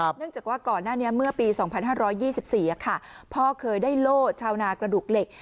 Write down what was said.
เนื่องจากว่าก่อนหน้านี้เมื่อปี๒๕๒๔พ่อเคยได้โล่ชาวนากระดูกเหล็ก